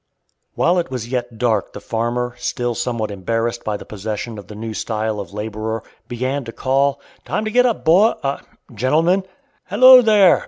While it was yet dark the farmer, still somewhat embarrassed by the possession of the new style of laborer, began to call, "Time to get up bo gentlemen!" "Hallo there!"